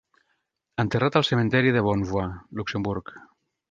Enterrat al cementiri de Bonnevoie, Luxemburg.